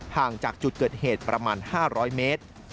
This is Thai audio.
ห่างจากจุดเกิดเหตุประมาณ๕๐๐เมตร